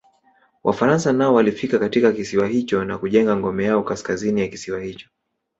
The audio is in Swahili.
Wafaransa nao walifika katika kisiwa hicho na kujenga ngome yao Kaskazini ya kisiwa hicho